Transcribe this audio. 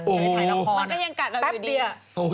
โอ้โฮมันก็ยังกัดเราอยู่ดีแป๊บเดี๋ยว